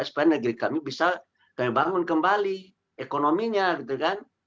supaya negeri kami bisa dibangun kembali ekonominya